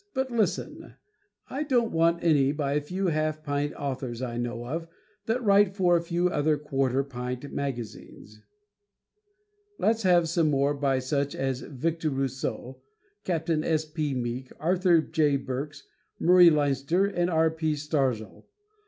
But listen, I don't want any by a few half pint authors I know of that write for a few other quarter pint magazines. Let's have some more by such as Victor Rousseau, Capt. S. P. Meek, Arthur J. Burks, Murry Leinster and R. P. Starzl.